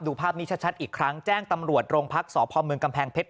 ภาพนี้ชัดอีกครั้งแจ้งตำรวจโรงพักษพเมืองกำแพงเพชร